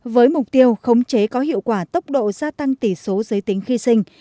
với mục tiêu khống chế có hiệu quả tốc độ gia tăng tỷ số giới tính khi sinh